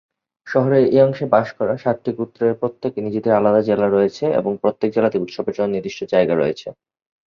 শহরের এই অংশে বাস করা সাতটি গোত্রের প্রত্যেকের নিজেদের আলাদা জেলা রয়েছে এবং প্রত্যেক জেলাতেই উৎসবের জন্য নির্দিষ্ট জায়গা রয়েছে।